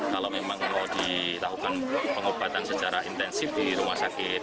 kalau memang mau dilakukan pengobatan secara intensif di rumah sakit